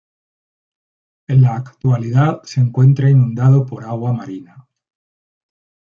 En la actualidad se encuentra inundado por agua marina.